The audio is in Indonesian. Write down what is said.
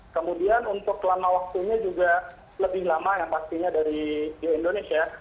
kemudian untuk lama waktunya juga lebih lama yang pastinya dari di indonesia